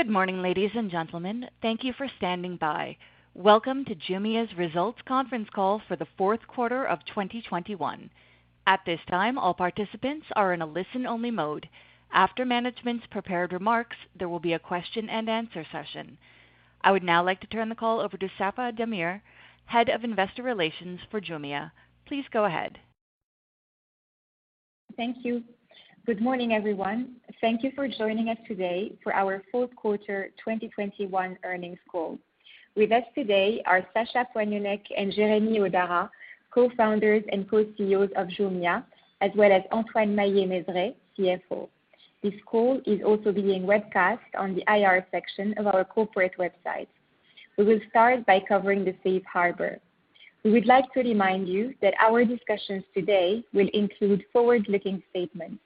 Good morning, ladies and gentlemen. Thank you for standing by. Welcome to Jumia's Results Conference Call for the Fourth Quarter of 2021. At this time, all participants are in a listen-only mode. After management's prepared remarks, there will be a question-and-answer session. I would now like to turn the call over to Safae Damir, Head of Investor Relations for Jumia. Please go ahead. Thank you. Good morning, everyone. Thank you for joining us today for our Fourth Quarter 2021 Earnings Call. With us today are Sacha Poignonnec and Jeremy Hodara, Co-Founders and Co-CEOs of Jumia, as well as Antoine Maillet-Mezeray, CFO. This call is also being webcast on the IR Section of our corporate website. We will start by covering the Safe Harbor. We would like to remind you that our discussions today will include forward-looking statements.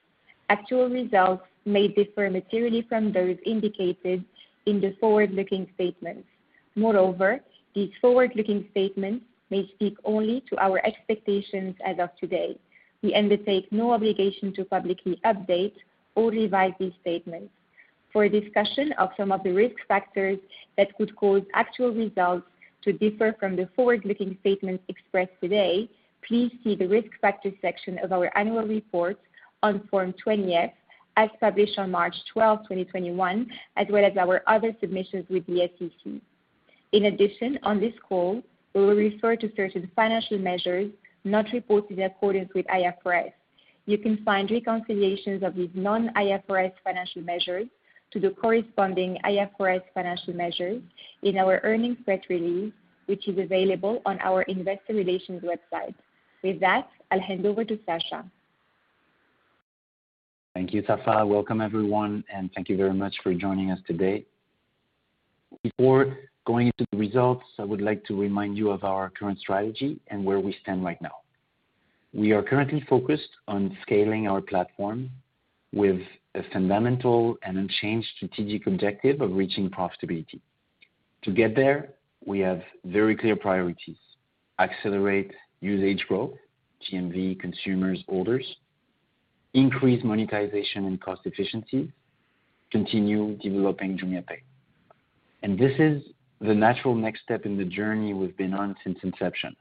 Actual results may differ materially from those indicated in the forward-looking statements. Moreover, these forward-looking statements may speak only to our expectations as of today. We undertake no obligation to publicly update or revise these statements. For a discussion of some of the risk factors that could cause actual results to differ from the forward-looking statements expressed today, please see the Risk Factors Section of our annual report on Form 20-F as published on March 12, 2021, as well as our other submissions with the SEC. In addition, on this call, we will refer to certain financial measures not reported in accordance with IFRS. You can find reconciliations of these non-IFRS financial measures to the corresponding IFRS financial measures in our earnings press release, which is available on our investor relations website. With that, I'll hand over to Sacha. Thank you, Safae. Welcome, everyone, and thank you very much for joining us today. Before going into the results, I would like to remind you of our current strategy and where we stand right now. We are currently focused on scaling our platform with a fundamental and unchanged strategic objective of reaching profitability. To get there, we have very clear priorities. Accelerate usage growth, GMV, consumers, orders. Increase monetization and cost efficiency. Continue developing JumiaPay. This is the natural next step in the journey we've been on since inception.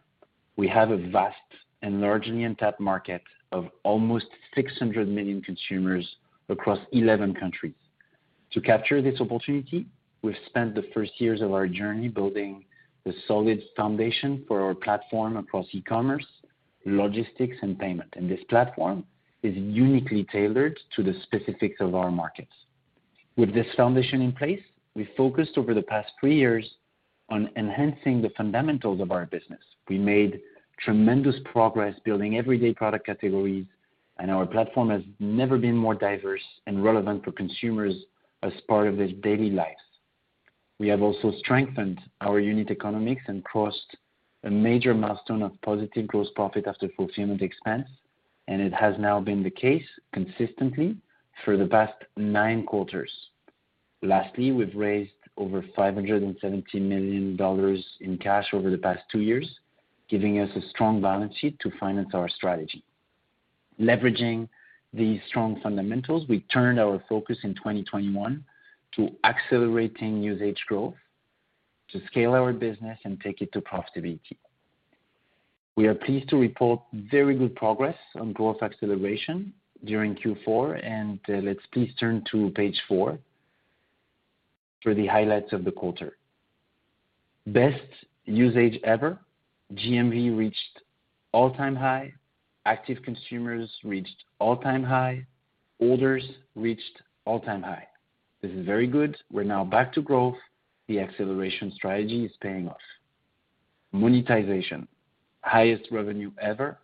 We have a vast and largely untapped market of almost 600 million consumers across 11 countries. To capture this opportunity, we've spent the first years of our journey building the solid foundation for our platform across e-commerce, logistics, and payment. This platform is uniquely tailored to the specifics of our markets. With this foundation in place, we focused over the past three years on enhancing the fundamentals of our business. We made tremendous progress building everyday product categories, and our platform has never been more diverse and relevant for consumers as part of their daily lives. We have also strengthened our unit economics and crossed a major milestone of positive gross profit after fulfillment expense, and it has now been the case consistently for the past nine quarters. Lastly, we've raised over $570 million in cash over the past two years, giving us a strong balance sheet to finance our strategy. Leveraging these strong fundamentals, we turned our focus in 2021 to accelerating usage growth to scale our business and take it to profitability. We are pleased to report very good progress on growth acceleration during Q4, and let's please turn to page four for the highlights of the quarter. Best usage ever. GMV reached all-time high. Active consumers reached all-time high. Orders reached all-time high. This is very good. We're now back to growth. The acceleration strategy is paying off. Monetization. Highest revenue ever.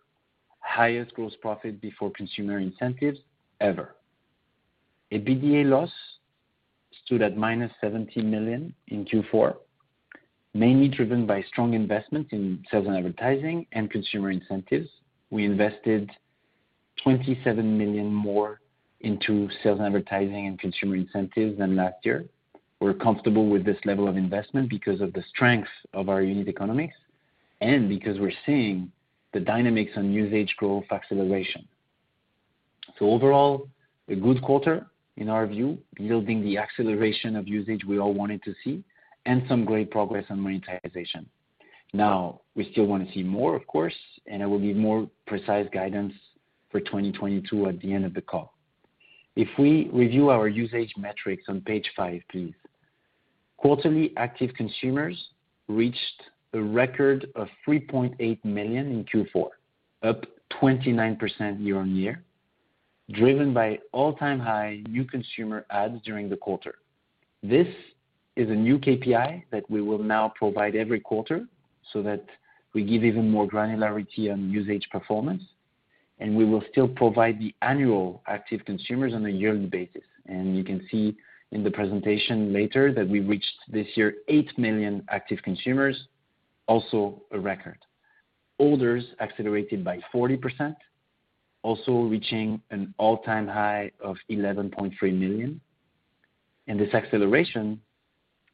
Highest gross profit before consumer incentives ever. EBITDA loss stood at -$70 million in Q4, mainly driven by strong investments in sales and advertising and consumer incentives. We invested $27 million more into sales and advertising and consumer incentives than last year. We're comfortable with this level of investment because of the strength of our unit economics and because we're seeing the dynamics on usage growth acceleration. Overall, a good quarter in our view, yielding the acceleration of usage we all wanted to see and some great progress on monetization. Now, we still wanna see more, of course, and I will give more precise guidance for 2022 at the end of the call. If we review our usage metrics on page 5, please. Quarterly active consumers reached a record of 3.8 million in Q4, up 29% year-on-year, driven by all-time high, new consumer adds during the quarter. This is a new KPI that we will now provide every quarter, so that we give even more granularity on usage performance, and we will still provide the annual active consumers on a yearly basis. You can see in the presentation later that we reached, this year, 8 million active consumers, also a record. Orders accelerated by 40%, also reaching an all-time high of 11.3 million. This acceleration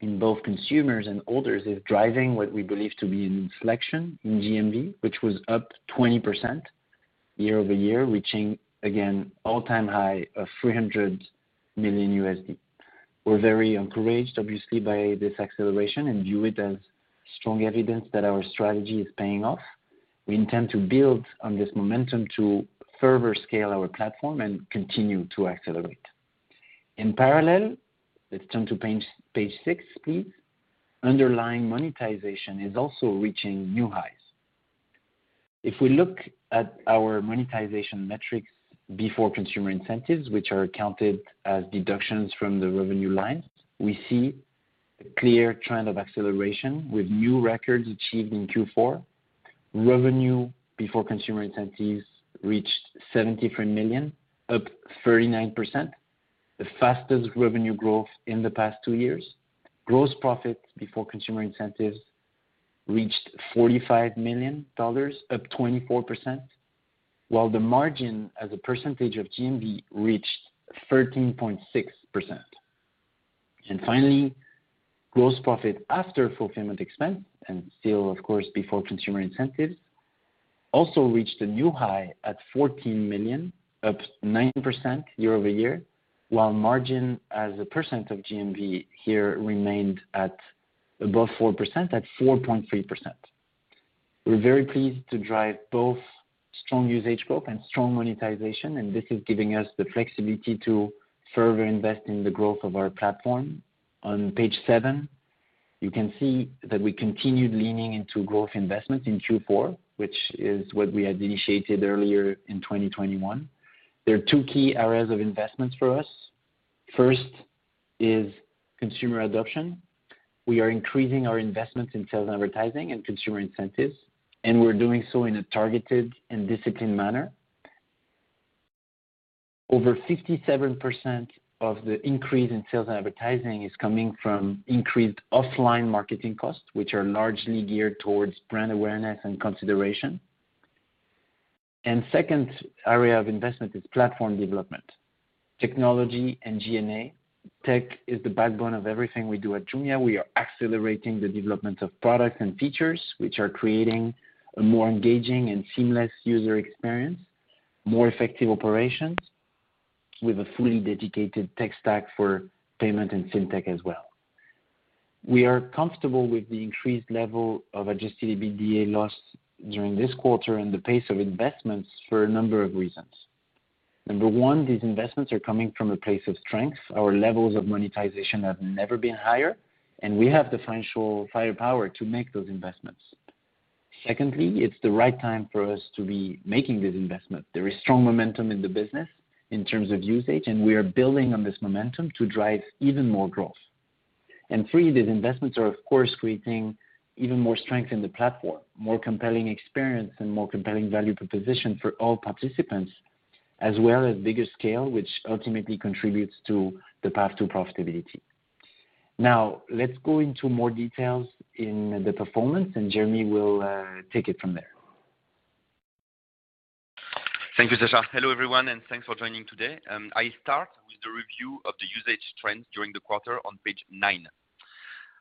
in both consumers and orders is driving what we believe to be an inflection in GMV, which was up 20% year-over-year, reaching again all-time high of $300 million. We're very encouraged, obviously, by this acceleration and view it as strong evidence that our strategy is paying off. We intend to build on this momentum to further scale our platform and continue to accelerate. In parallel, let's turn to page six, please. Underlying monetization is also reaching new highs. If we look at our monetization metrics before consumer incentives, which are counted as deductions from the revenue line, we see a clear trend of acceleration with new records achieved in Q4. Revenue before consumer incentives reached $73 million, up 39%, the fastest revenue growth in the past two years. Gross profit before consumer incentives reached $45 million, up 24%, while the margin as a percentage of GMV reached 13.6%. Finally, gross profit after fulfillment expense and still, of course, before consumer incentives, also reached a new high at $14 million, up 9% year-over-year, while margin as a percent of GMV here remained at above 4% at 4.3%. We're very pleased to drive both strong usage growth and strong monetization, and this is giving us the flexibility to further invest in the growth of our platform. On page 7, you can see that we continued leaning into growth investments in Q4, which is what we had initiated earlier in 2021. There are two key areas of investments for us. First is consumer adoption. We are increasing our investments in sales and advertising and consumer incentives, and we're doing so in a targeted and disciplined manner. Over 57% of the increase in sales and advertising is coming from increased offline marketing costs, which are largely geared towards brand awareness and consideration. Second area of investment is platform development, technology and G&A. Tech is the backbone of everything we do at Jumia. We are accelerating the development of products and features, which are creating a more engaging and seamless user experience, more effective operations with a fully dedicated tech stack for payment and fintech as well. We are comfortable with the increased level of adjusted EBITDA loss during this quarter and the pace of investments for a number of reasons. Number one, these investments are coming from a place of strength. Our levels of monetization have never been higher, and we have the financial firepower to make those investments. Secondly, it's the right time for us to be making this investment. There is strong momentum in the business in terms of usage, and we are building on this momentum to drive even more growth. Three, these investments are of course creating even more strength in the platform, more compelling experience and more compelling value proposition for all participants, as well as bigger scale, which ultimately contributes to the path to profitability. Now, let's go into more details in the performance, and Jeremy will take it from there. Thank you, Sacha. Hello, everyone, and thanks for joining today. I start with the review of the usage trends during the quarter on page 9.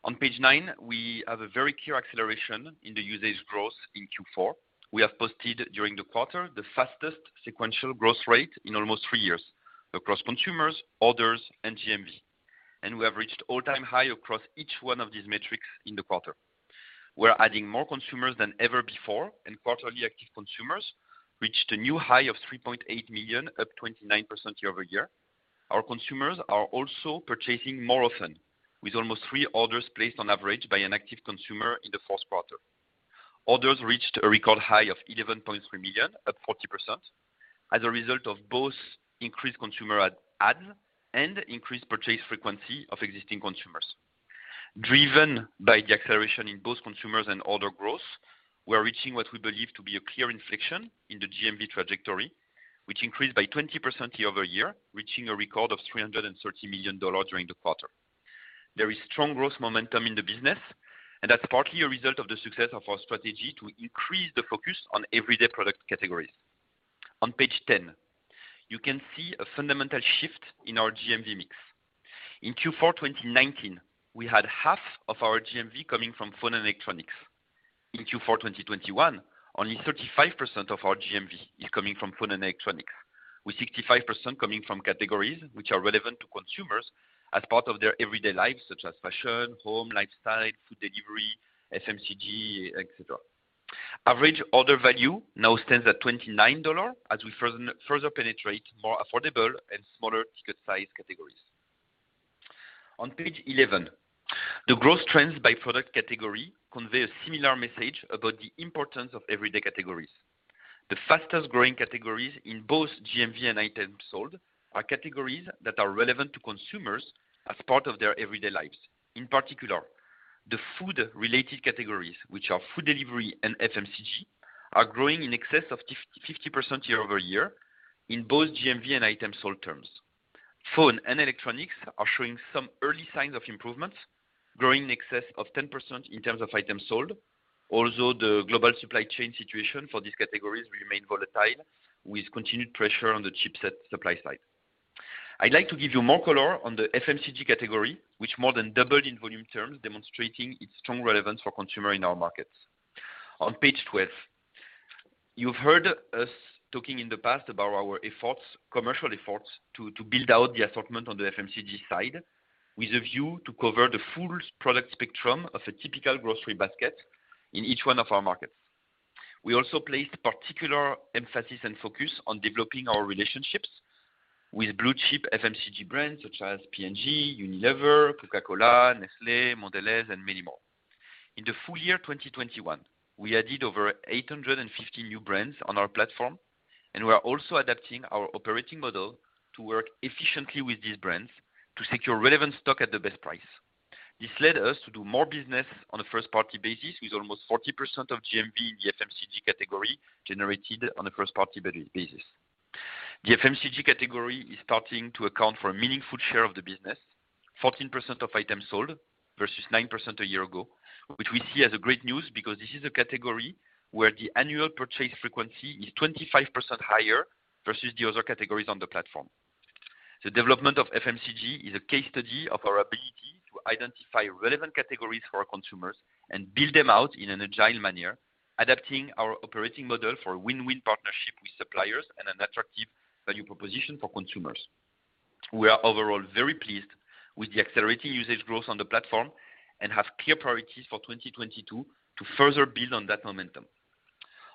On page 9, we have a very clear acceleration in the usage growth in Q4. We have posted during the quarter the fastest sequential growth rate in almost three years across consumers, orders, and GMV. We have reached all-time high across each one of these metrics in the quarter. We're adding more consumers than ever before, and quarterly active consumers reached a new high of 3.8 million, up 29% year-over-year. Our consumers are also purchasing more often with almost three orders placed on average by an active consumer in the fourth quarter. Orders reached a record high of 11.3 million, up 40%, as a result of both increased consumer add and increased purchase frequency of existing consumers. Driven by the acceleration in both consumers and order growth, we are reaching what we believe to be a clear inflection in the GMV trajectory, which increased by 20% year-over-year, reaching a record of $330 million during the quarter. There is strong growth momentum in the business, and that's partly a result of the success of our strategy to increase the focus on everyday product categories. On page 10, you can see a fundamental shift in our GMV mix. In Q4 2019, we had half of our GMV coming from phone and electronics. In Q4 2021, only 35% of our GMV is coming from phone and electronics, with 65% coming from categories which are relevant to consumers as part of their everyday lives, such as fashion, home, lifestyle, food delivery, FMCG, et cetera. Average order value now stands at $29 as we further penetrate more affordable and smaller ticket size categories. On page 11, the growth trends by product category convey a similar message about the importance of everyday categories. The fastest-growing categories in both GMV and items sold are categories that are relevant to consumers as part of their everyday lives. In particular, the food-related categories, which are food delivery and FMCG, are growing in excess of 50% year-over-year in both GMV and items sold terms. Phone and electronics are showing some early signs of improvements, growing in excess of 10% in terms of items sold. Also, the global supply chain situation for these categories remain volatile with continued pressure on the chipset supply side. I'd like to give you more color on the FMCG category, which more than doubled in volume terms, demonstrating its strong relevance for consumer in our markets. On page 12, you've heard us talking in the past about our efforts, commercial efforts to build out the assortment on the FMCG side with a view to cover the full product spectrum of a typical grocery basket in each one of our markets. We also placed particular emphasis and focus on developing our relationships with blue chip FMCG brands such as P&G, Unilever, Coca-Cola, Nestlé, Mondelez, and many more. In the full year 2021, we added over 850 new brands on our platform, and we are also adapting our operating model to work efficiently with these brands to secure relevant stock at the best price. This led us to do more business on a first party basis with almost 40% of GMV in the FMCG category generated on a first party basis. The FMCG category is starting to account for a meaningful share of the business. 14% of items sold versus 9% a year ago, which we see as a great news because this is a category where the annual purchase frequency is 25% higher versus the other categories on the platform. The development of FMCG is a case study of our ability to identify relevant categories for our consumers and build them out in an agile manner, adapting our operating model for a win-win partnership with suppliers and an attractive value proposition for consumers. We are overall very pleased with the accelerating usage growth on the platform and have clear priorities for 2022 to further build on that momentum.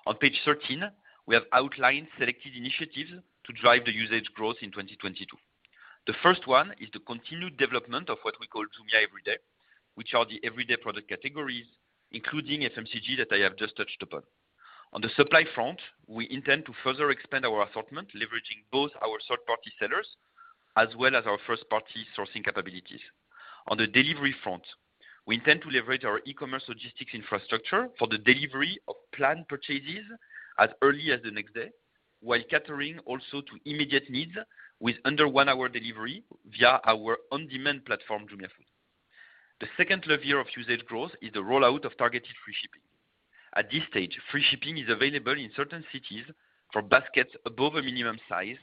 On page 13, we have outlined selected initiatives to drive the usage growth in 2022. The first one is the continued development of what we call Jumia Everyday, which are the everyday product categories, including FMCG that I have just touched upon. On the supply front, we intend to further expand our assortment, leveraging both our third-party sellers as well as our first-party sourcing capabilities. On the delivery front, we intend to leverage our e-commerce logistics infrastructure for the delivery of planned purchases as early as the next day, while catering also to immediate needs with under one hour delivery via our on-demand platform, Jumia Food. The second lever of usage growth is the rollout of targeted free shipping. At this stage, free shipping is available in certain cities for baskets above a minimum size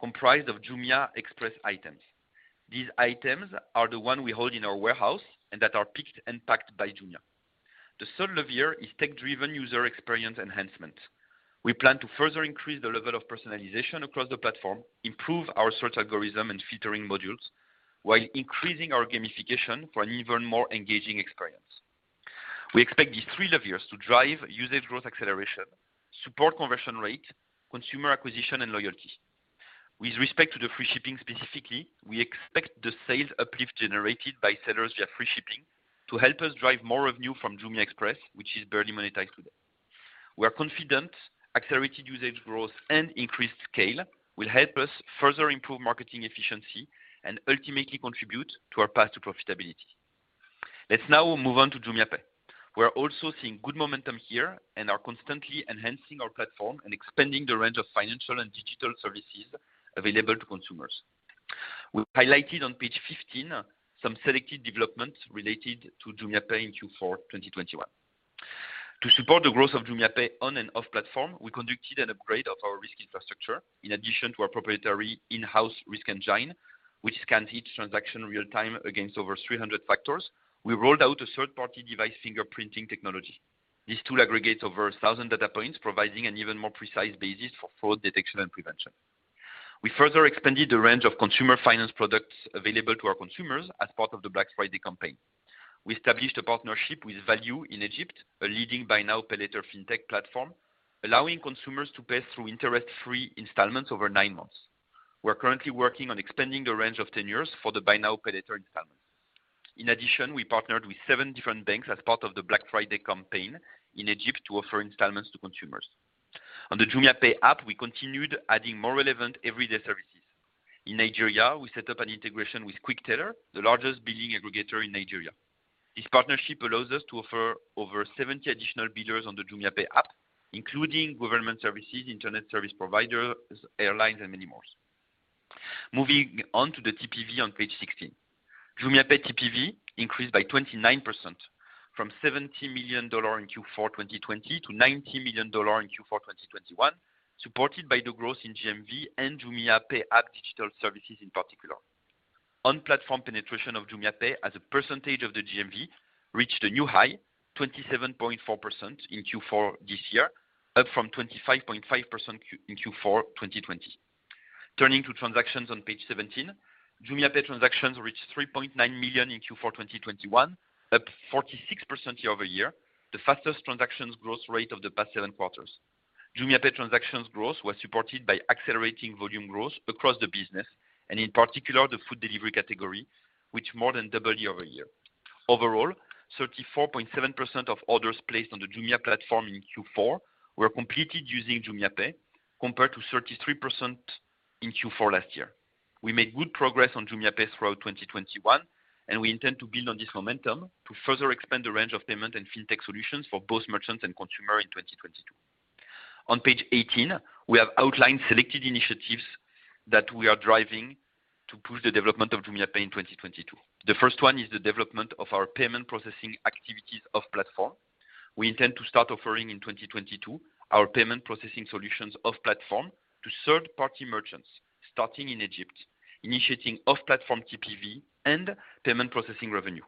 comprised of Jumia Express items. These items are the one we hold in our warehouse and that are picked and packed by Jumia. The third lever is tech-driven user experience enhancements. We plan to further increase the level of personalization across the platform, improve our search algorithm and filtering modules, while increasing our gamification for an even more engaging experience. We expect these three levers to drive usage growth acceleration, support conversion rate, consumer acquisition, and loyalty. With respect to the free shipping specifically, we expect the sales uplift generated by sellers via free shipping to help us drive more revenue from Jumia Express, which is barely monetized today. We are confident accelerated usage growth and increased scale will help us further improve marketing efficiency and ultimately contribute to our path to profitability. Let's now move on to JumiaPay. We're also seeing good momentum here and are constantly enhancing our platform and expanding the range of financial and digital services available to consumers. We've highlighted on page 15 some selected developments related to JumiaPay in Q4 2021. To support the growth of JumiaPay on and off platform, we conducted an upgrade of our risk infrastructure. In addition to our proprietary in-house risk engine, which scans each transaction real time against over 300 factors, we rolled out a third-party device fingerprinting technology. This tool aggregates over 1,000 data points, providing an even more precise basis for fraud detection and prevention. We further expanded the range of consumer finance products available to our consumers as part of the Black Friday campaign. We established a partnership with valU in Egypt, a leading Buy Now, Pay Later fintech platform, allowing consumers to pay through interest-free installments over nine months. We're currently working on expanding the range of tenures for the Buy Now, Pay Later installments. In addition, we partnered with seven different banks as part of the Black Friday campaign in Egypt to offer installments to consumers. On the JumiaPay app, we continued adding more relevant everyday services. In Nigeria, we set up an integration with Quickteller, the largest billing aggregator in Nigeria. This partnership allows us to offer over 70 additional billers on the JumiaPay app, including government services, internet service providers, airlines, and many more. Moving on to the TPV on page 16. JumiaPay TPV increased by 29% from $70 million in Q4 2020 to $90 million in Q4 2021, supported by the growth in GMV and JumiaPay app digital services in particular. On-platform penetration of JumiaPay as a percentage of the GMV reached a new high, 27.4% in Q4 this year, up from 25.5% in Q4 2020. Turning to transactions on page 17. JumiaPay transactions reached 3.9 million in Q4 2021, up 46% year-over-year, the fastest transactions growth rate of the past seven quarters. JumiaPay transactions growth was supported by accelerating volume growth across the business and in particular, the food delivery category, which more than doubled year-over-year. Overall, 34.7% of orders placed on the Jumia platform in Q4 were completed using JumiaPay, compared to 33% in Q4 last year. We made good progress on JumiaPay throughout 2021, and we intend to build on this momentum to further expand the range of payment and fintech solutions for both merchants and consumers in 2022. On page 18, we have outlined selected initiatives that we are driving to push the development of JumiaPay in 2022. The first one is the development of our payment processing activities off-platform. We intend to start offering in 2022 our payment processing solutions off-platform to third-party merchants, starting in Egypt, initiating off-platform TPV and payment processing revenue.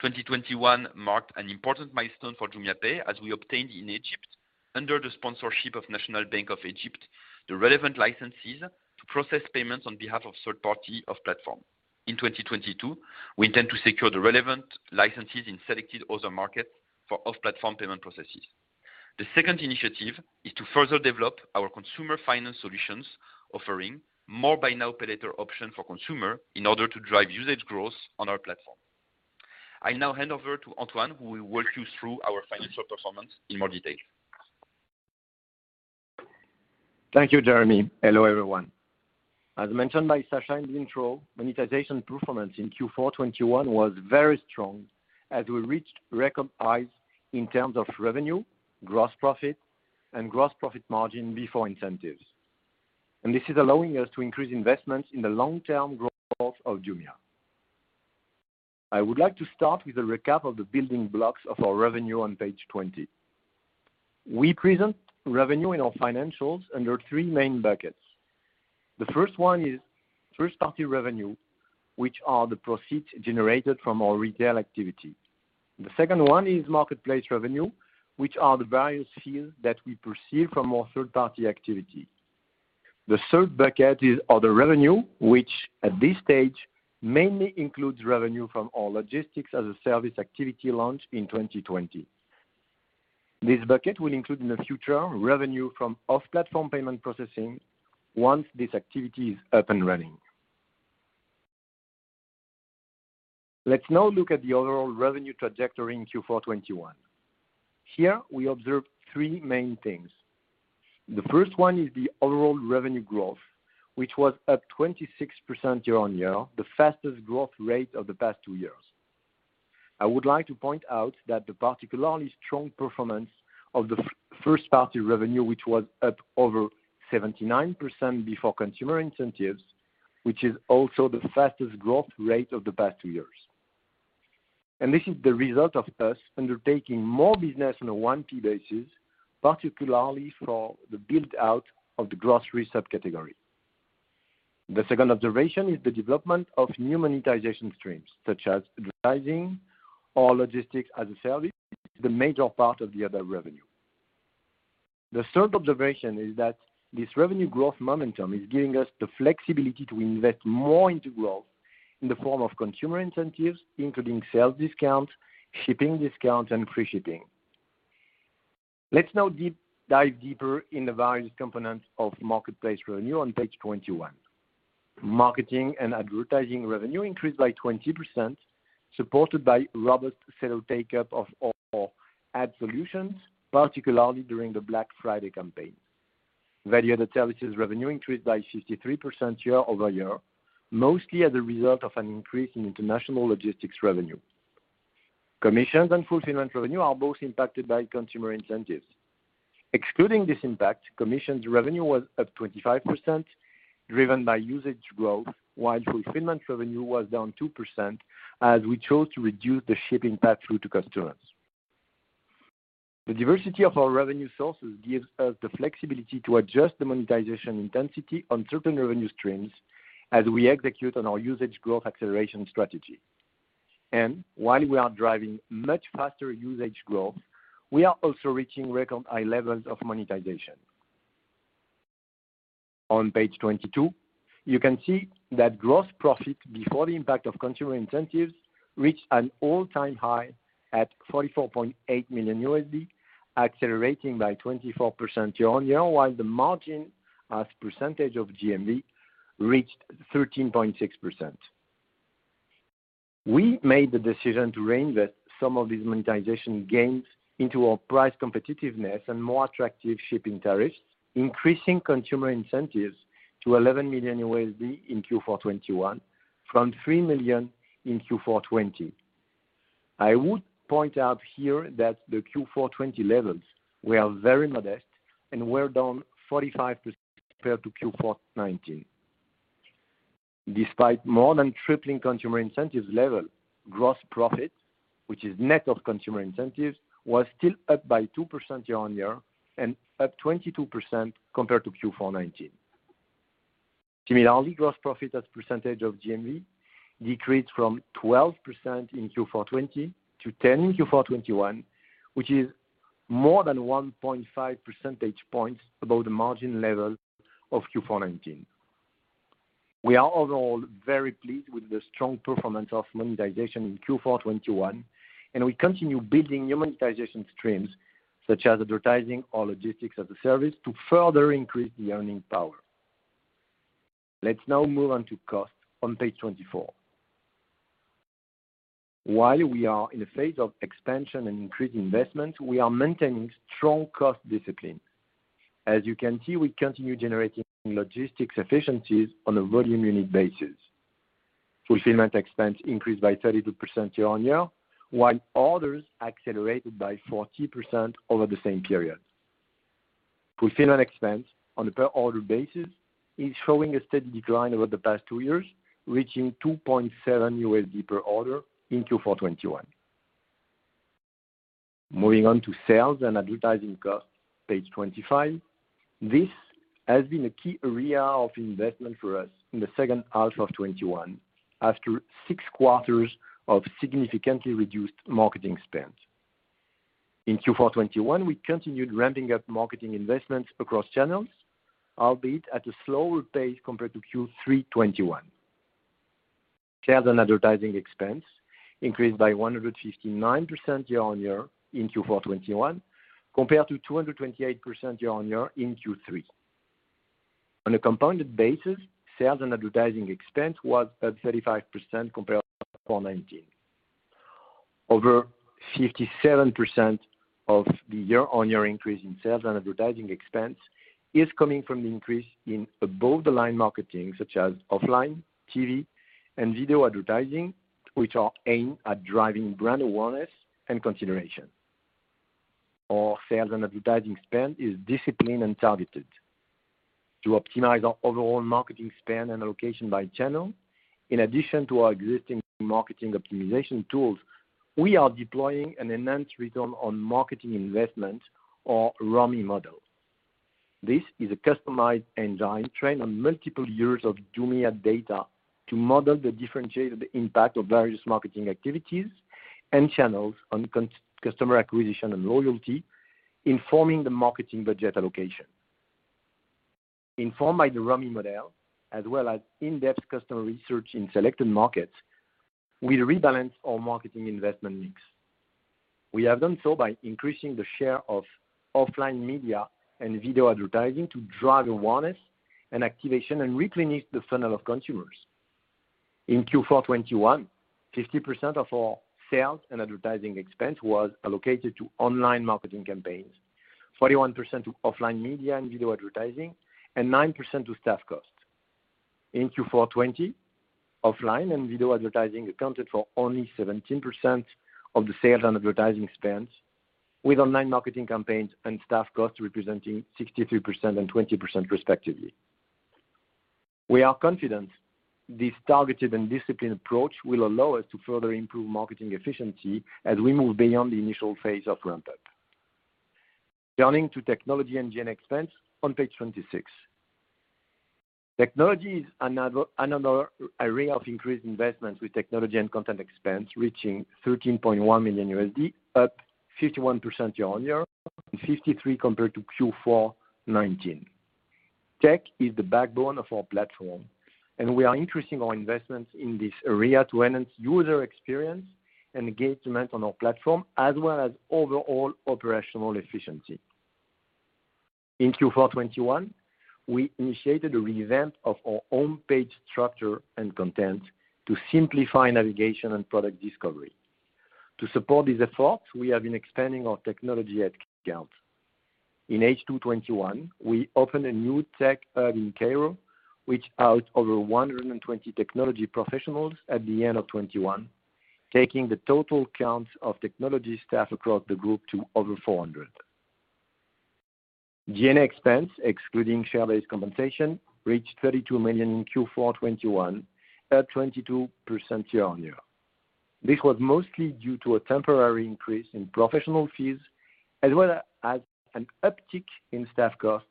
2021 marked an important milestone f'or JumiaPay, as we obtained in Egypt, under the sponsorship of National Bank of Egypt, the relevant licenses to process payments on behalf of third-party off-platform. In 2022, we intend to secure the relevant licenses in selected other markets for off-platform payment processes. The second initiative is to further develop our consumer finance solutions, offering more Buy Now, Pay Later option for consumer in order to drive usage growth on our platform. I now hand over to Antoine, who will walk you through our financial performance in more detail. Thank you, Jeremy. Hello, everyone. As mentioned by Sacha in the intro, monetization performance in Q4 2021 was very strong as we reached record highs in terms of revenue, gross profit, and gross profit margin before incentives. This is allowing us to increase investments in the long-term growth of Jumia. I would like to start with a recap of the building blocks of our revenue on page 20. We present revenue in our financials under three main buckets. The first one is first-party revenue, which are the proceeds generated from our retail activity. The second one is marketplace revenue, which are the various fees that we receive from our third-party activity. The third bucket is other revenue, which at this stage mainly includes revenue from our logistics-as-a-service activity launched in 2020. This bucket will include in the future revenue from off-platform payment processing once this activity is up and running. Let's now look at the overall revenue trajectory in Q4 2021. Here we observe three main things. The first one is the overall revenue growth, which was up 26% year-on-year, the fastest growth rate of the past two years. I would like to point out that the particularly strong performance of the first-party revenue, which was up over 79% before consumer incentives, which is also the fastest growth rate of the past two years. This is the result of us undertaking more business on a 1P basis, particularly for the build-out of the grocery subcategory. The second observation is the development of new monetization streams, such as advertising or logistics-as-a-service, the major part of the other revenue. The third observation is that this revenue growth momentum is giving us the flexibility to invest more into growth in the form of consumer incentives, including sales discounts, shipping discounts, and free shipping. Let's now dive deeper into the various components of marketplace revenue on page 21. Marketing and advertising revenue increased by 20%, supported by robust seller take-up of our ad solutions, particularly during the Black Friday campaign. Value added services revenue increased by 63% year-over-year, mostly as a result of an increase in international logistics revenue. Commissions and fulfillment revenue are both impacted by consumer incentives. Excluding this impact, commissions revenue was up 25%, driven by usage growth, while fulfillment revenue was down 2% as we chose to reduce the shipping pass-through to customers. The diversity of our revenue sources gives us the flexibility to adjust the monetization intensity on certain revenue streams as we execute on our usage growth acceleration strategy. While we are driving much faster usage growth, we are also reaching record high levels of monetization. On page 22, you can see that gross profit before the impact of consumer incentives reached an all-time high at $44.8 million, accelerating by 24% year-over-year, while the margin as percentage of GMV reached 13.6%. We made the decision to reinvest some of these monetization gains into our price competitiveness and more attractive shipping tariffs, increasing consumer incentives to $11 million in Q4 2021 from $3 million in Q4 2020. I would point out here that the Q4 2020 levels were very modest and were down 45% compared to Q4 2019. Despite more than tripling consumer incentives level, gross profit, which is net of consumer incentives, was still up by 2% year-on-year and up 22% compared to Q4 2019. Similarly, gross profit as percentage of GMV decreased from 12% in Q4 2020 to 10% in Q4 2021, which is more than 1.5 percentage points above the margin level of Q4 2019. We are overall very pleased with the strong performance of monetization in Q4 2021, and we continue building new monetization streams such as advertising or logistics-as-a-service to further increase the earning power. Let's now move on to cost on page 24. While we are in a phase of expansion and increased investment, we are maintaining strong cost discipline. As you can see, we continue generating logistics efficiencies on a volume unit basis. Fulfillment expense increased by 32% year-on-year, while others accelerated by 40% over the same period. Fulfillment expense on a per order basis is showing a steady decline over the past two years, reaching $2.7 per order in Q4 2021. Moving on to sales and advertising costs, page 25. This has been a key area of investment for us in the second half of 2021, after 6 quarters of significantly reduced marketing spend. In Q4 2021, we continued ramping up marketing investments across channels, albeit at a slower pace compared to Q3 2021. Sales and advertising expense increased by 159% year-on-year in Q4 2021, compared to 228% year-on-year in Q3 2021. On a compounded basis, sales and advertising expense was at 35% compared to 4.19%. Over 57% of the year-on-year increase in sales and advertising expense is coming from the increase in above the line marketing, such as offline, TV, and video advertising, which are aimed at driving brand awareness and consideration. Our sales and advertising spend is disciplined and targeted. To optimize our overall marketing spend and allocation by channel, in addition to our existing marketing optimization tools, we are deploying an enhanced return on marketing investment or ROMI model. This is a customized engine trained on multiple years of Jumia data to model the differentiated impact of various marketing activities and channels on customer acquisition and loyalty, informing the marketing budget allocation. Informed by the ROMI model, as well as in-depth customer research in selected markets, we rebalance our marketing investment mix. We have done so by increasing the share of offline media and video advertising to drive awareness and activation and replenish the funnel of consumers. In Q4 '21, 50% of our sales and advertising expense was allocated to online marketing campaigns, 41% to offline media and video advertising, and 9% to staff costs. In Q4 '20, offline and video advertising accounted for only 17% of the sales and advertising expense, with online marketing campaigns and staff costs representing 63% and 20% respectively. We are confident this targeted and disciplined approach will allow us to further improve marketing efficiency as we move beyond the initial phase of ramp-up. Turning to technology and G&A expense on page 26. Technology is another area of increased investments, with technology and content expense reaching $13.1 million, up 51% year-on-year, and 53% compared to Q4 2019. Tech is the backbone of our platform, and we are increasing our investments in this area to enhance user experience and engagement on our platform, as well as overall operational efficiency. In Q4 2021, we initiated a revamp of our homepage structure and content to simplify navigation and product discovery. To support these efforts, we have been expanding our technology headcount. In H2 2021, we opened a new tech hub in Cairo, which housed over 120 technology professionals at the end of 2021, taking the total count of technology staff across the group to over 400. G&A expense, excluding share-based compensation, reached $32 million in Q4 2021, up 22% year-on-year. This was mostly due to a temporary increase in professional fees, as well as an uptick in staff costs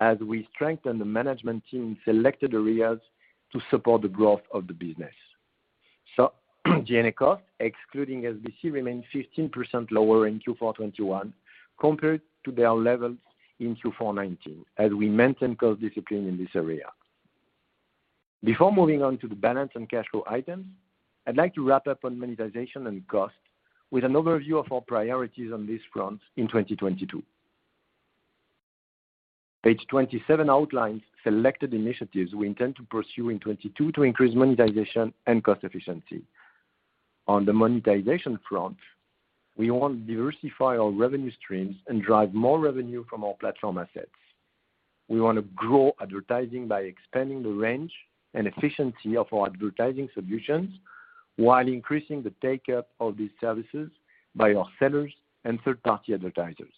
as we strengthen the management team in selected areas to support the growth of the business. G&A costs, excluding SBC, remained 15% lower in Q4 2021 compared to their levels in Q4 2019, as we maintain cost discipline in this area. Before moving on to the balance and cash flow items, I'd like to wrap up on monetization and cost with an overview of our priorities on this front in 2022. Page 27 outlines selected initiatives we intend to pursue in 2022 to increase monetization and cost efficiency. On the monetization front, we want to diversify our revenue streams and drive more revenue from our platform assets. We wanna grow advertising by expanding the range and efficiency of our advertising solutions while increasing the take-up of these services by our sellers and third-party advertisers.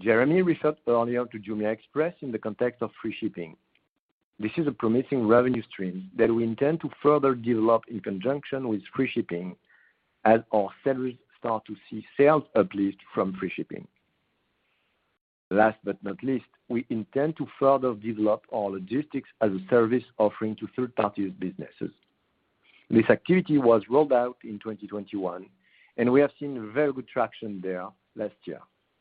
Jeremy referred earlier to Jumia Express in the context of free shipping. This is a promising revenue stream that we intend to further develop in conjunction with free shipping as our sellers start to see sales uplift from free shipping. Last but not least, we intend to further develop our logistics-as-a-service offering to third-party businesses. This activity was rolled out in 2021, and we have seen very good traction there last year.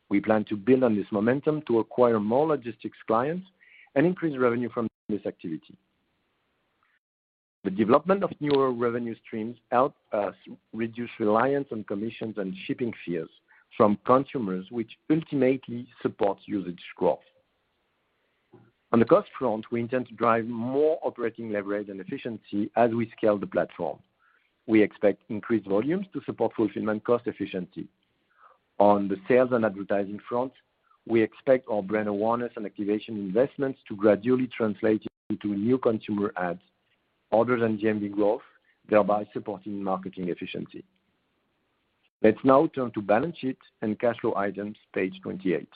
We plan to build on this momentum to acquire more logistics clients and increase revenue from this activity. The development of newer revenue streams help us reduce reliance on commissions and shipping fees from consumers, which ultimately supports usage growth. On the cost front, we intend to drive more operating leverage and efficiency as we scale the platform. We expect increased volumes to support fulfillment cost efficiency. On the sales and advertising front, we expect our brand awareness and activation investments to gradually translate into new consumer acquisitions other than GMV growth, thereby supporting marketing efficiency. Let's now turn to balance sheet and cash flow items, page 28.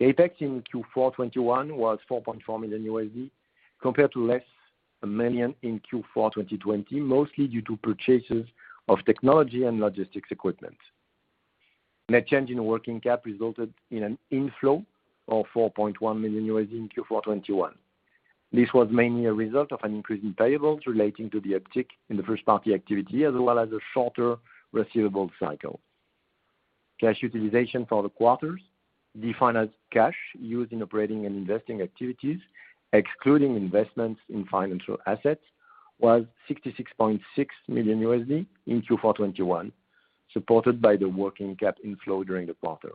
CapEx in Q4 2021 was $4.4 million, compared to less than $1 million in Q4 2020, mostly due to purchases of technology and logistics equipment. Net change in working capital resulted in an inflow of $4.1 million in Q4 2021. This was mainly a result of an increase in payables relating to the uptick in the first-party activity, as well as a shorter receivable cycle. Cash utilization for the quarter, defined as cash used in operating and investing activities, excluding investments in financial assets, was $66.6 million in Q4 2021, supported by the working capital inflow during the quarter.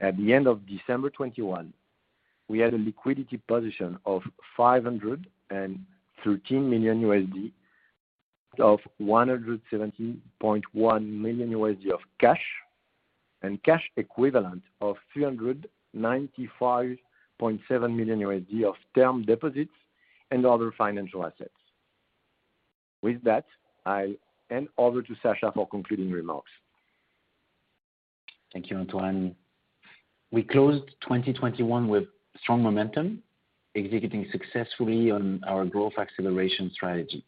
At the end of December 2021, we had a liquidity position of $513 million of $170.1 million of cash and cash equivalent of $395.7 million of term deposits and other financial assets. With that, I'll hand over to Sacha for concluding remarks. Thank you, Antoine. We closed 2021 with strong momentum, executing successfully on our growth acceleration strategy.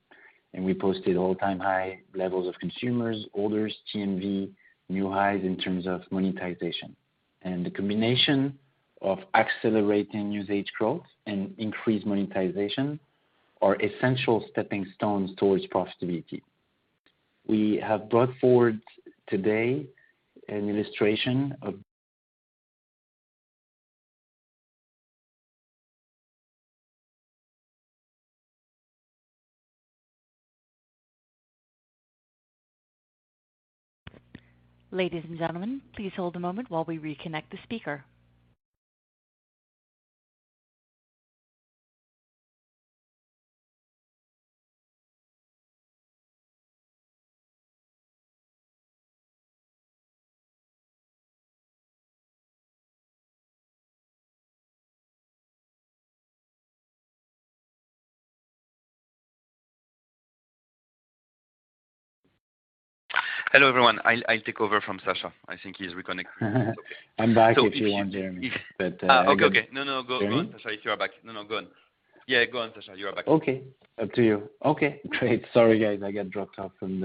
We posted all-time high levels of consumers, orders, GMV, new highs in terms of monetization. The combination of accelerating usage growth and increased monetization are essential stepping stones towards profitability. We have brought forward today an illustration of Ladies and gentlemen, please hold a moment while we reconnect the speaker. Hello, everyone. I'll take over from Sacha. I think he's reconnecting. I'm back if you want, Jeremy. So if you- But, uh, go- Okay. No, go on, Sacha, if you are back. No, go on. Yeah, go on, Sacha, you are back. Okay. Up to you. Okay, great. Sorry, guys, I got dropped off from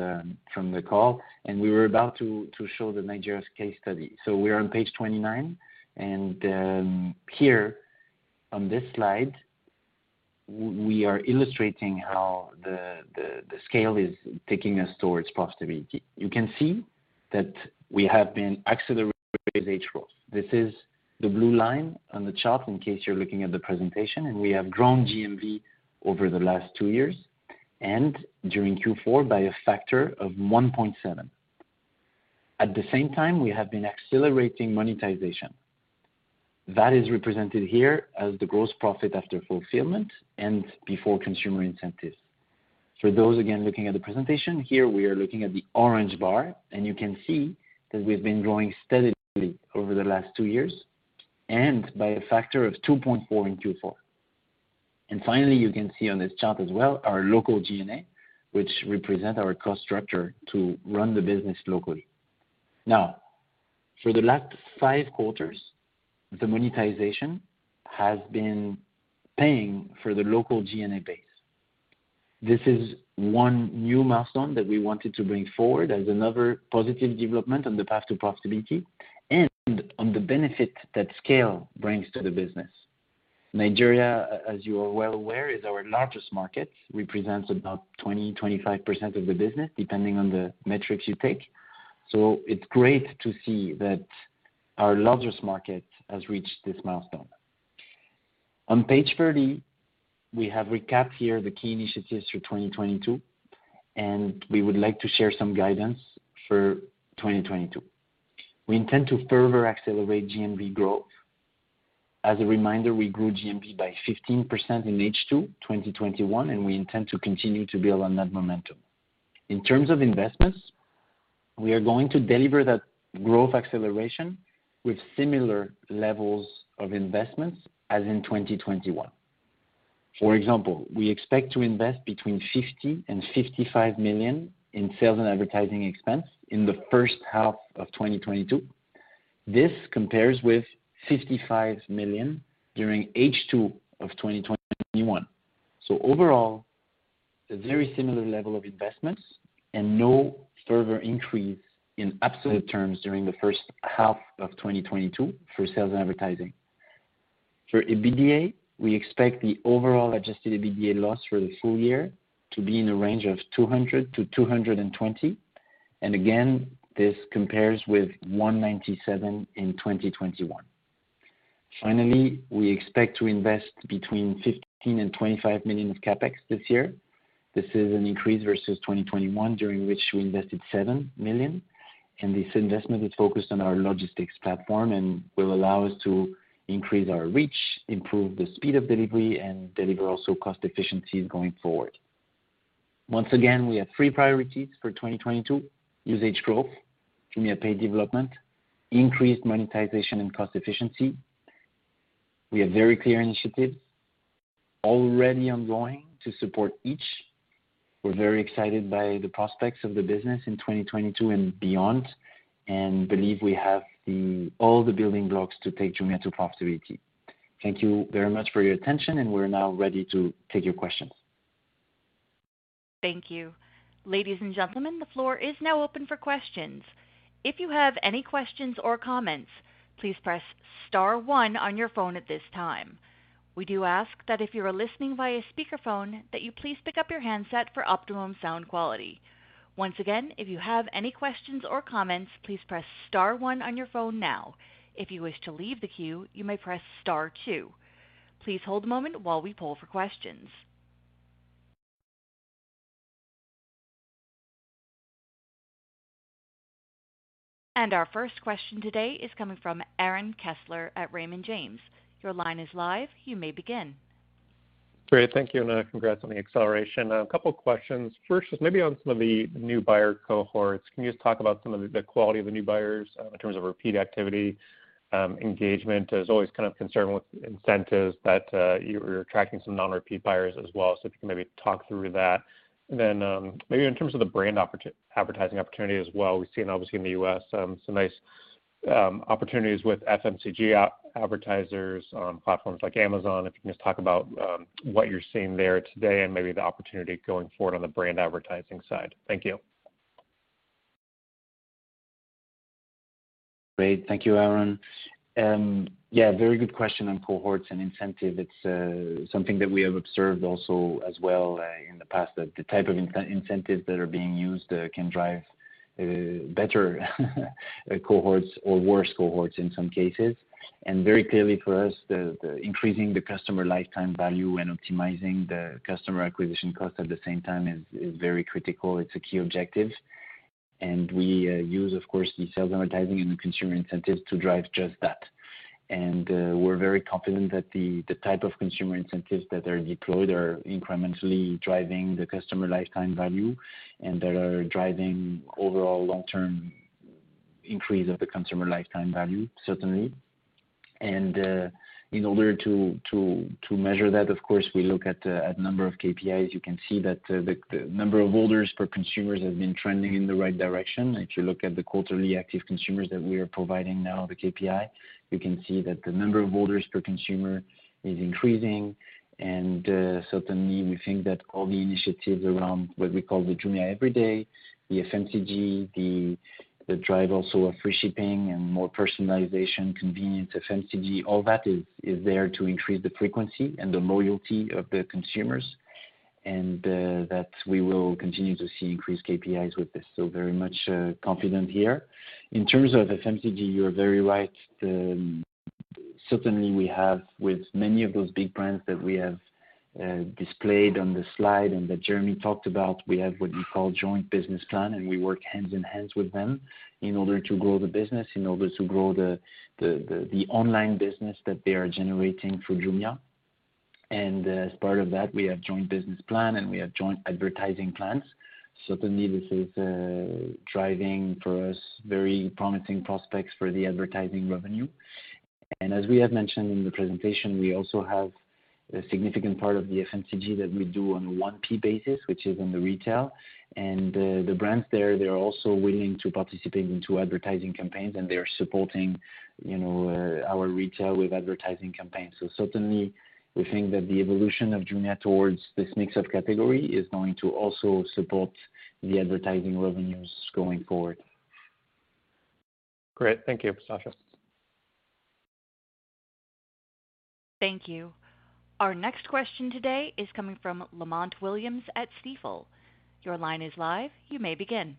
the call, and we were about to show Nigeria's case study. We're on page 29. Here on this slide, we are illustrating how the scale is taking us towards profitability. You can see that we have been accelerating GMV growth. This is the blue line on the chart in case you're looking at the presentation, and we have grown GMV over the last two years and during Q4 by a factor of 1.7. At the same time, we have been accelerating monetization. That is represented here as the gross profit after fulfillment and before consumer incentives. For those again looking at the presentation, here we are looking at the orange bar, and you can see that we've been growing steadily over the last two years and by a factor of 2.4 in Q4. Finally, you can see on this chart as well our local G&A, which represent our cost structure to run the business locally. Now, for the last five quarters, the monetization has been paying for the local G&A base. This is one new milestone that we wanted to bring forward as another positive development on the path to profitability and on the benefit that scale brings to the business. Nigeria, as you are well aware, is our largest market, represents about 20%-25% of the business, depending on the metrics you take. It's great to see that our largest market has reached this milestone. On page 30, we have recapped here the key initiatives for 2022, and we would like to share some guidance for 2022. We intend to further accelerate GMV growth. As a reminder, we grew GMV by 15% in H2 2021, and we intend to continue to build on that momentum. In terms of investments, we are going to deliver that growth acceleration with similar levels of investments as in 2021. For example, we expect to invest between $50 million and $55 million in sales and advertising expense in the first half of 2022. This compares with $55 million during H2 of 2021. Overall, a very similar level of investments and no further increase in absolute terms during the first half of 2022 for sales and advertising. For EBITDA, we expect the overall adjusted EBITDA loss for the full year to be in the range of $200-$220. Again, this compares with $197 in 2021. Finally, we expect to invest between $15 million and $25 million of CapEx this year. This is an increase versus 2021, during which we invested $7 million. This investment is focused on our logistics platform and will allow us to increase our reach, improve the speed of delivery, and deliver also cost efficiencies going forward. Once again, we have three priorities for 2022: usage growth, JumiaPay development, increased monetization and cost efficiency. We have very clear initiatives already ongoing to support each. We're very excited by the prospects of the business in 2022 and beyond, and believe we have all the building blocks to take Jumia to profitability. Thank you very much for your attention, and we're now ready to take your questions. Thank you. Ladies and gentlemen, the floor is now open for questions. If you have any questions or comments, please press star one on your phone at this time. We do ask that if you are listening via speakerphone, that you please pick up your handset for optimum sound quality. Once again, if you have any questions or comments, please press star one on your phone now. If you wish to leave the queue, you may press star two. Please hold a moment while we poll for questions. Our first question today is coming from Aaron Kessler at Raymond James. Your line is live. You may begin. Great. Thank you and congrats on the acceleration. A couple of questions. First, just maybe on some of the new buyer cohorts. Can you just talk about some of the quality of the new buyers in terms of repeat activity? Engagement. There's always kind of concern with incentives that you're tracking some non-repeat buyers as well. So if you can maybe talk through that. Then, maybe in terms of the brand advertising opportunity as well. We've seen obviously in the U.S., some nice opportunities with FMCG advertisers on platforms like Amazon. If you can just talk about what you're seeing there today and maybe the opportunity going forward on the brand advertising side. Thank you. Great. Thank you, Aaron. Yeah, very good question on cohorts and incentives. It's something that we have observed also as well in the past, that the type of incentives that are being used can drive better cohorts or worse cohorts in some cases. Very clearly for us, the increasing the customer lifetime value and optimizing the customer acquisition cost at the same time is very critical. It's a key objective. We use of course the sales advertising and the consumer incentives to drive just that. We're very confident that the type of consumer incentives that are deployed are incrementally driving the customer lifetime value and that are driving overall long-term increase of the consumer lifetime value, certainly. In order to measure that, of course, we look at a number of KPIs. You can see that the number of orders per consumers have been trending in the right direction. If you look at the quarterly active consumers that we are providing now, the KPI, you can see that the number of orders per consumer is increasing. Certainly we think that all the initiatives around what we call the Jumia Everyday, the FMCG, the drive also of free shipping and more personalization, convenience, FMCG, all that is there to increase the frequency and the loyalty of the consumers. That we will continue to see increased KPIs with this. Very much confident here. In terms of FMCG, you are very right. Certainly we have with many of those big brands that we have displayed on the slide and that Jeremy talked about, we have what we call joint business plan, and we work hand in hand with them in order to grow the business, in order to grow the online business that they are generating through Jumia. As part of that, we have joint business plan, and we have joint advertising plans. Certainly this is driving for us very promising prospects for the advertising revenue. As we have mentioned in the presentation, we also have a significant part of the FMCG that we do on 1P basis, which is in the retail. The brands there, they are also willing to participate into advertising campaigns, and they are supporting, you know, our retail with advertising campaigns. Certainly we think that the evolution of Jumia towards this mix of category is going to also support the advertising revenues going forward. Great. Thank you, Sacha. Thank you. Our next question today is coming from Lamont Williams at Stifel. Your line is live. You may begin.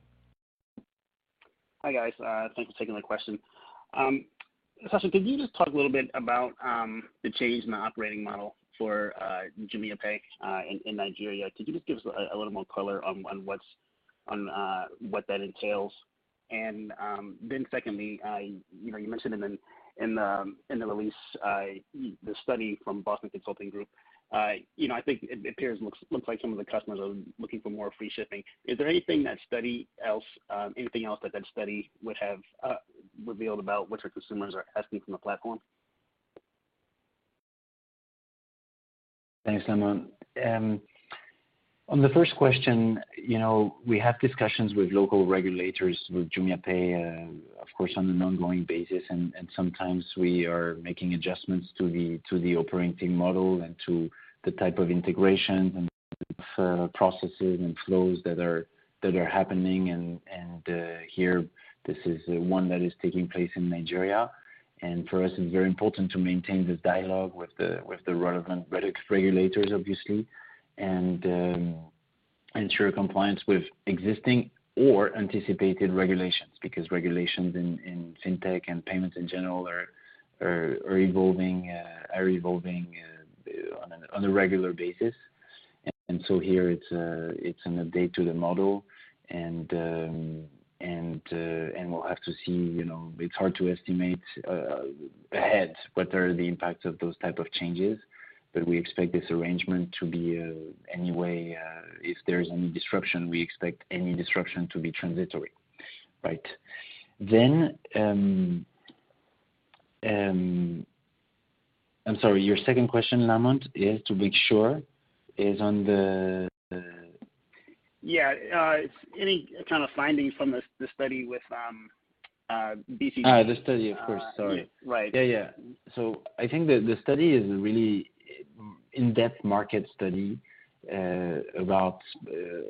Hi, guys. Thanks for taking the question. Sacha, could you just talk a little bit about the change in the operating model for JumiaPay in Nigeria? Could you just give us a little more color on what that entails? Then secondly, you know, you mentioned in the release the study from Boston Consulting Group. You know, I think it appears and looks like some of the customers are looking for more free shipping. Is there anything else that study would have revealed about what your consumers are asking from the platform? Thanks, Lamont. On the first question, you know, we have discussions with local regulators, with JumiaPay, of course, on an ongoing basis. Sometimes we are making adjustments to the operating model and to the type of integrations and processes and flows that are happening. Here, this is one that is taking place in Nigeria. For us it's very important to maintain this dialogue with the relevant regulators obviously, and ensure compliance with existing or anticipated regulations, because regulations in fintech and payments in general are evolving on a regular basis. Here it's an update to the model, and we'll have to see. You know, it's hard to estimate ahead what are the impacts of those type of changes. But we expect this arrangement to be anyway if there's any disruption, we expect any disruption to be transitory. Right. I'm sorry, your second question, Lamont, is to make sure is on the Yeah. Any kind of findings from the study with BCG? The study. Of course, sorry. Right. Yeah. I think the study is a really in-depth market study about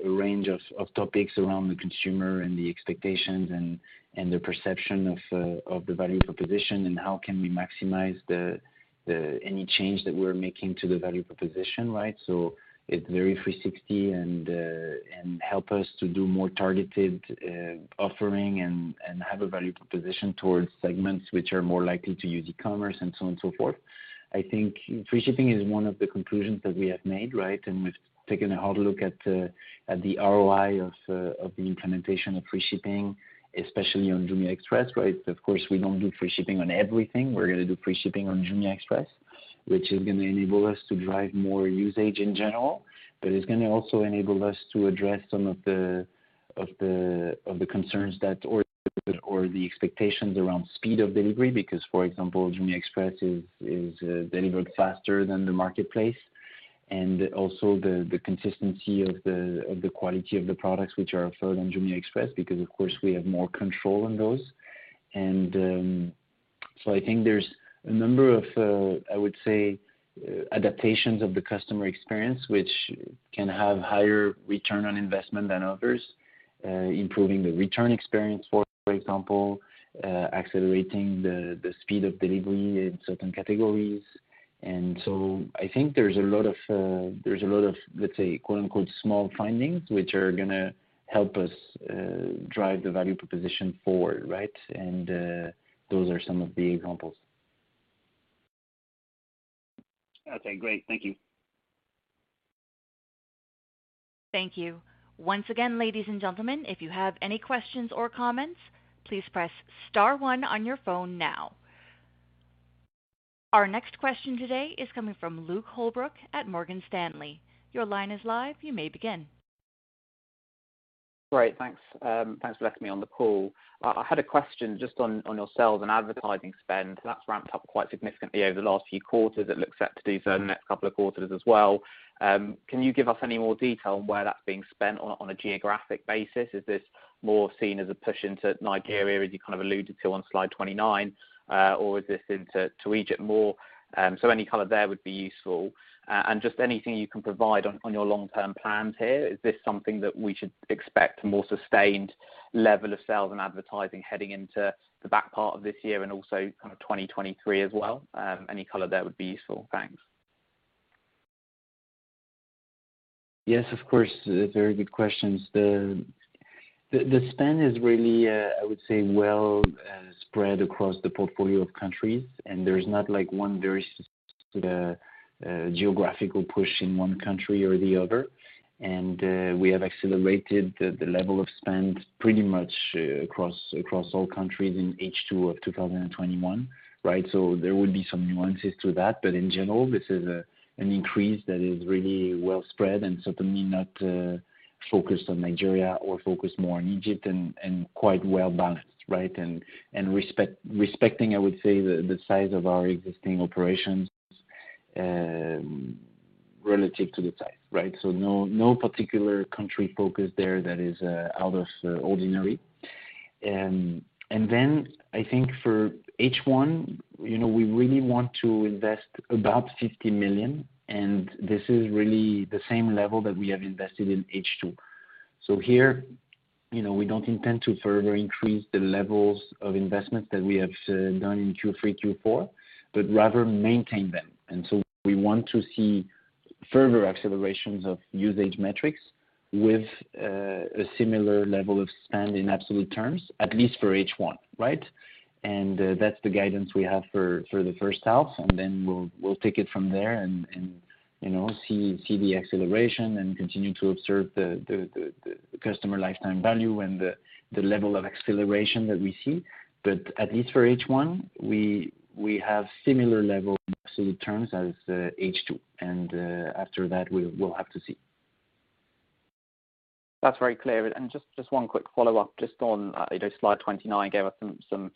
a range of topics around the consumer and the expectations and the perception of the value proposition and how can we maximize any change that we're making to the value proposition, right? It's very 360 and help us to do more targeted offering and have a value proposition towards segments which are more likely to use e-commerce and so on and so forth. I think free shipping is one of the conclusions that we have made, right? We've taken a hard look at the ROI of the implementation of free shipping, especially on Jumia Express, right? Of course, we don't do free shipping on everything. We're gonna do free shipping on Jumia Express, which is gonna enable us to drive more usage in general. It's gonna also enable us to address some of the concerns or the expectations around speed of delivery, because, for example, Jumia Express is delivered faster than the marketplace. Also the consistency of the quality of the products which are offered on Jumia Express, because of course we have more control on those. I think there's a number of, I would say, adaptations of the customer experience which can have higher return on investment than others. Improving the return experience, for example, accelerating the speed of delivery in certain categories. I think there's a lot of, let's say, quote-unquote, small findings which are gonna help us drive the value proposition forward, right? Those are some of the examples. Okay, great. Thank you. Thank you. Once again, ladies and gentlemen, if you have any questions or comments, please press star one on your phone now. Our next question today is coming from Luke Holbrook at Morgan Stanley. Your line is live. You may begin. Great, thanks. Thanks for letting me on the call. I had a question just on your sales and advertising spend. That's ramped up quite significantly over the last few quarters. It looks set to do so the next couple of quarters as well. Can you give us any more detail on where that's being spent on a geographic basis? Is this more seen as a push into Nigeria, as you kind of alluded to on slide 29, or is this into Egypt more? Any color there would be useful. And just anything you can provide on your long-term plans here. Is this something that we should expect a more sustained level of sales and advertising heading into the back part of this year and also kind of 2023 as well? Any color there would be useful. Thanks. Yes, of course. Very good questions. The spend is really, I would say well, spread across the portfolio of countries, and there's not like one very specific geographical push in one country or the other. We have accelerated the level of spend pretty much across all countries in H2 of 2021, right? There will be some nuances to that. In general, this is an increase that is really well spread and certainly not focused on Nigeria or focused more on Egypt and quite well balanced, right? Respecting, I would say, the size of our existing operations, relative to the size, right? No particular country focus there that is out of ordinary. I think for H1, you know, we really want to invest about $50 million, and this is really the same level that we have invested in H2. Here, you know, we don't intend to further increase the levels of investment that we have done in Q3, Q4, but rather maintain them. We want to see further accelerations of usage metrics with a similar level of spend in absolute terms, at least for H1, right? That's the guidance we have for the first half, and then we'll take it from there and, you know, see the acceleration and continue to observe the customer lifetime value and the level of acceleration that we see. At least for H1, we have similar levels in absolute terms as H2. After that, we'll have to see. That's very clear. Just one quick follow-up just on you know, slide 29, gave us some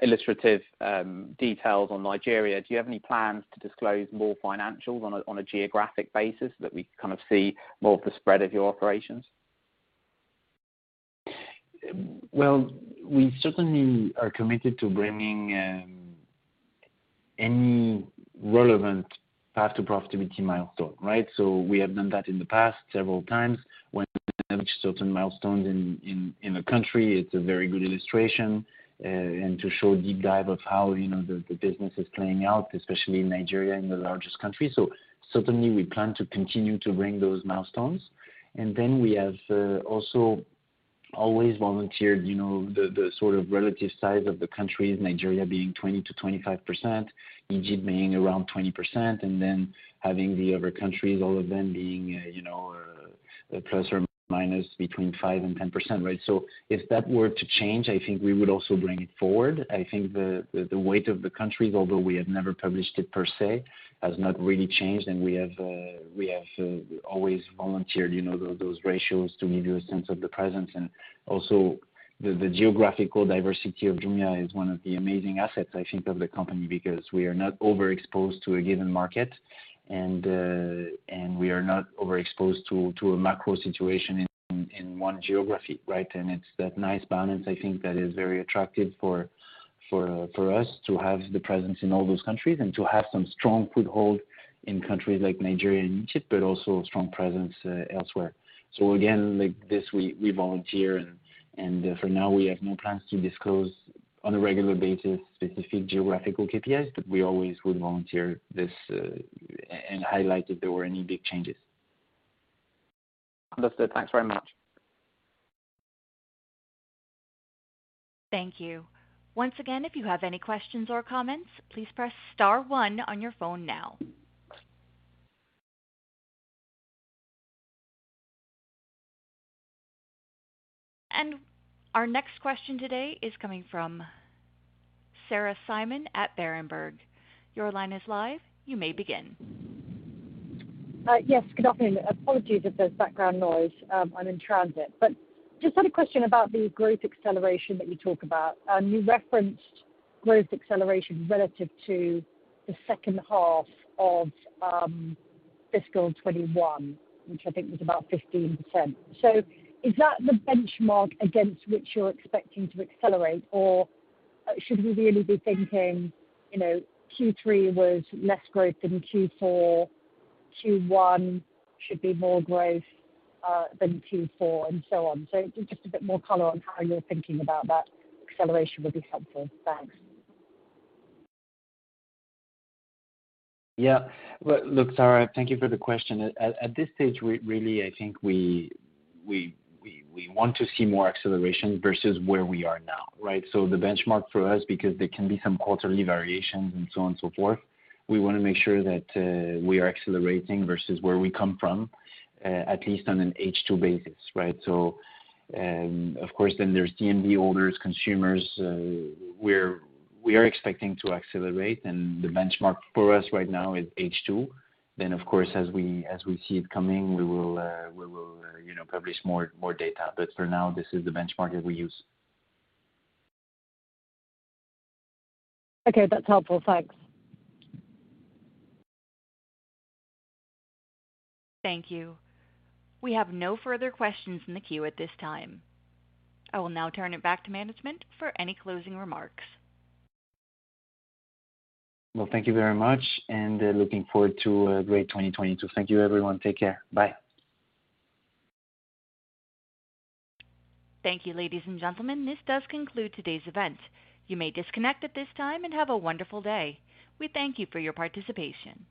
illustrative details on Nigeria. Do you have any plans to disclose more financials on a geographic basis that we kind of see more of the spread of your operations? Well, we certainly are committed to bringing any relevant path to profitability milestone, right? We have done that in the past several times when certain milestones in a country. It's a very good illustration and to show a deep dive of how, you know, the business is playing out, especially in Nigeria, in the largest country. We certainly plan to continue to bring those milestones. Then we have also always volunteered, you know, the sort of relative size of the countries, Nigeria being 20%-25%, Egypt being around 20%, and then having the other countries, all of them being, you know, plus or minus between 5% and 10%, right? If that were to change, I think we would also bring it forward. I think the weight of the countries, although we have never published it per se, has not really changed. We have always volunteered, you know, those ratios to give you a sense of the presence. Also, the geographical diversity of Jumia is one of the amazing assets, I think of the company, because we are not overexposed to a given market. We are not overexposed to a macro situation in one geography, right? It's that nice balance, I think, that is very attractive for us to have the presence in all those countries and to have some strong foothold in countries like Nigeria and Egypt, but also a strong presence elsewhere. Again, like this, we volunteer. For now, we have no plans to disclose on a regular basis specific geographical KPIs. We always would volunteer this, and highlight if there were any big changes. Understood. Thanks very much. Thank you. Once again, if you have any questions or comments, please press star one on your phone now. Our next question today is coming from Sarah Simon at Berenberg. Your line is live. You may begin. Yes, good afternoon. Apologies if there's background noise. I'm in transit. I just had a question about the growth acceleration that you talk about. You referenced growth acceleration relative to the second half of fiscal 2021, which I think was about 15%. Is that the benchmark against which you're expecting to accelerate? Or should we really be thinking, you know, Q3 was less growth than Q4, Q1 should be more growth than Q4, and so on. Just a bit more color on how you're thinking about that acceleration would be helpful. Thanks. Yeah. Look, Sarah, thank you for the question. At this stage, we really, I think we want to see more acceleration versus where we are now, right? The benchmark for us, because there can be some quarterly variations and so on and so forth, we wanna make sure that we are accelerating versus where we come from, at least on an H2 basis, right? Of course, then there's GMV orders, consumers, we are expecting to accelerate, and the benchmark for us right now is H2. Of course, as we see it coming, we will, you know, publish more data. For now, this is the benchmark that we use. Okay, that's helpful. Thanks. Thank you. We have no further questions in the queue at this time. I will now turn it back to management for any closing remarks. Well, thank you very much, and looking forward to a great 2022. Thank you, everyone. Take care. Bye. Thank you, ladies and gentlemen. This does conclude today's event. You may disconnect at this time, and have a wonderful day. We thank you for your participation.